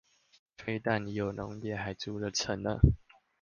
非但已有農業，還築了城呢！